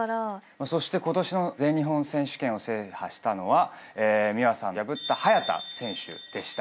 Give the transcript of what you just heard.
そして今年の全日本選手権を制覇したのは美和さんを破った早田選手でした。